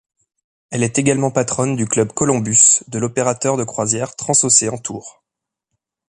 Elle est également patronne du Club Columbus de l'opérateur de croisière Transocean Tours.